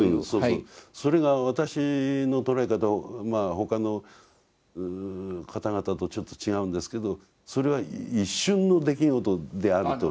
それが私の捉え方は他の方々とちょっと違うんですけどそれは一瞬の出来事であると。